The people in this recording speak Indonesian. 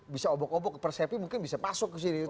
bisa obok obok persepi mungkin bisa masuk ke sini